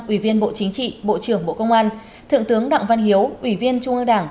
ủy viên bộ chính trị bộ trưởng bộ công an thượng tướng đặng văn hiếu ủy viên trung ương đảng